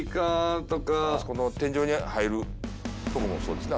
あそこの天井に入るとこもそうですね。